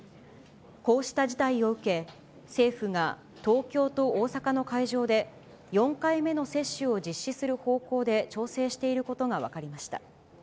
こうした事態を受け、政府が東京と大阪の会場で、４回目の接種を実施する方向で調整していることが分かりました。